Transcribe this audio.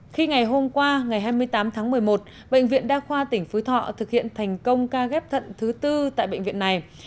khi ngày hôm qua ngày hai mươi tám tháng một mươi một bệnh viện đa khoa tỉnh phú thọ thực hiện thành công ca ghép thận thứ tư tại bệnh viện này